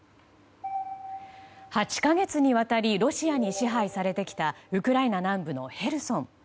８か月にわたりロシアに支配されてきたウクライナ南部のヘルソン。